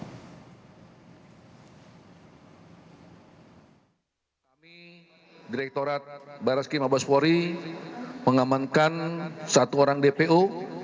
kami direkturat baraski mabospori mengamankan satu orang dpo